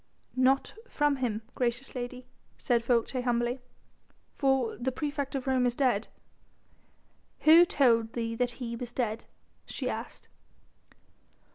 "Not from him, gracious lady," said Folces humbly, "for the praefect of Rome is dead." "Who told thee that he was dead?" she asked.